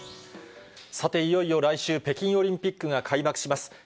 さて、いよいよ来週、北京オリンピックが開幕します。